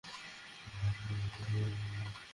বেশ বিচক্ষণ, সিদ্ধান্ত, মাই জার!